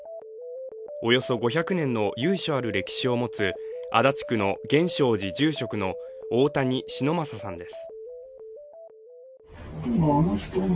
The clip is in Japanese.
およそ５００年の由緒ある歴史を持つ足立区の源証寺・住職の大谷忍昌さんです。